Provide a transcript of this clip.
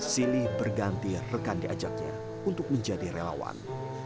sili berganti rekan diajaknya untuk menjadi relawan